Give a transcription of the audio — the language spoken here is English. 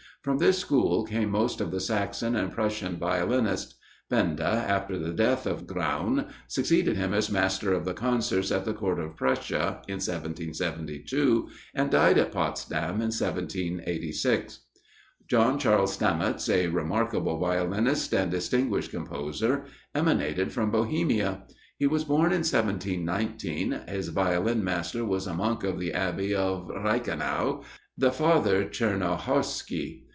From this school came most of the Saxon and Prussian violinists. Benda, after the death of Graun, succeeded him as master of the concerts at the Court of Prussia in 1772, and died at Potsdam in 1786. John Charles Stamitz, a remarkable violinist, and distinguished composer, emanated from Bohemia; he was born in 1719, his Violin master was a monk of the Abbey of Reichenau, the Father Czernohorsky.